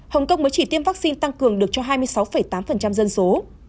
hồng kông mới chỉ tiêm vaccine tăng cường được cho hai mươi sáu tám dân số